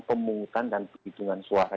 pemungutan dan perhitungan suara